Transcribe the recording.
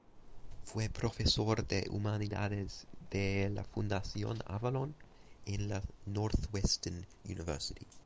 Fue profesor de humanidades de la Fundación Avalon en la Northwestern University.